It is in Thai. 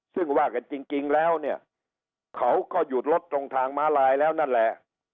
ซึ่งว่ากันจริงแล้วเนี่ยเขาก็หยุดรถตรงทางม้าลายแล้วนั่นแหละ